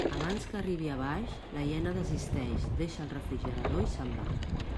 Abans que arribi a baix, la hiena desisteix, deixa el refrigerador i se'n va.